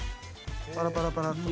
パラパラパラッと。